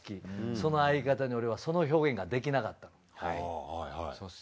その相方に俺はその表現ができなかったのよ。